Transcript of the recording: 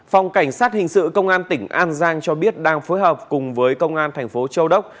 phòng cảnh sát hình sự công an tỉnh an giang cho biết đang phối hợp cùng với công an thành phố châu đốc